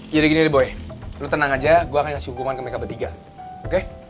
gini gini deh boleh lo tenang aja gue akan kasih hukuman ke mereka bertiga oke